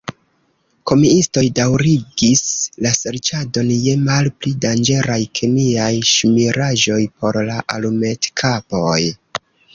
Kemiistoj daŭrigis la serĉadon je malpli danĝeraj kemiaj ŝmiraĵoj por la alumetkapoj.